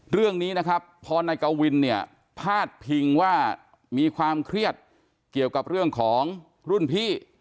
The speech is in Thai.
เรื่องนี้นะครับพอนายกวินเนี่ยพาดพิงว่ามีความเครียดเกี่ยวกับเรื่องของรุ่นพี่